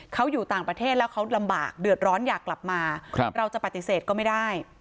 เขาอยู่ต่างประเทศแล้วเขาลำบากเดือดร้อนอยากกลับมาเราจะปฏิเสธก็ไม่ได้